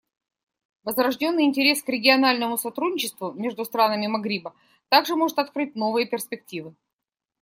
Возрожденный интерес к региональному сотрудничеству между странами Магриба также может открыть новые перспективы.